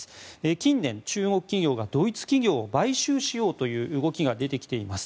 近年、中国企業がドイツ企業を買収しようという動きが出てきています。